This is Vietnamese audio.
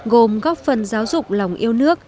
gồm góp phần giáo dục lòng yêu nước